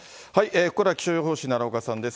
ここからは気象予報士、奈良岡さんです。